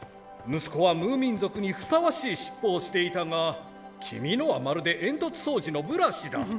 息子はムーミン族にふさわしいしっぽをしていたが君のはまるで煙突掃除のブラシだ。